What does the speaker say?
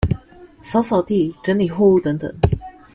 掃掃地、整理貨物等等